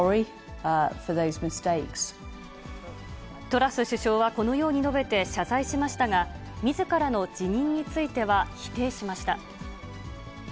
トラス首相はこのように述べて謝罪しましたが、みずからの辞任については否定しました。